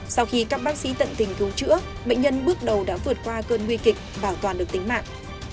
sau khi các bác sĩ tận tình cứu chữa bệnh nhân bước đầu đã vượt qua cơn nguy kịch bảo toàn được tính mạng